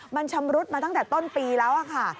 มันชำรุดมาตั้งแต่ต้นปีแล้วค่ะ